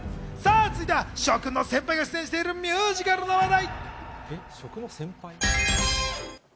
続いて、紫耀君の先輩が出演しているミュージカルの話題。